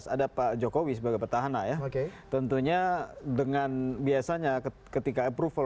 ada pak jokowi sebagai petahana ya oke tentunya dengan biasanya ketika approval